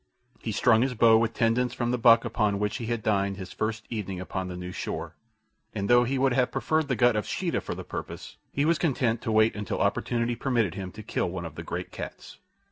He strung his bow with tendons from the buck upon which he had dined his first evening upon the new shore, and though he would have preferred the gut of Sheeta for the purpose, he was content to wait until opportunity permitted him to kill one of the great cats.